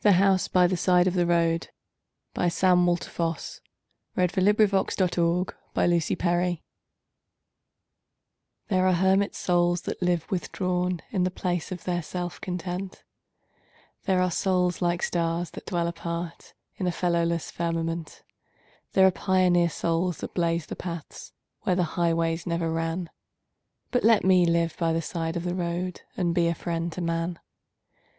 E F . G H . I J . K L . M N . O P . Q R . S T . U V . W X . Y Z The House by the Side of the Road THERE are hermit souls that live withdrawn In the place of their self content; There are souls like stars, that dwell apart, In a fellowless firmament; There are pioneer souls that blaze the paths Where highways never ran But let me live by the side of the road And be a friend to man.